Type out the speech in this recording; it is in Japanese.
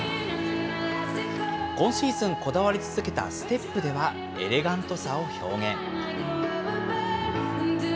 今シーズンこだわり続けたステップでは、エレガントさを表現。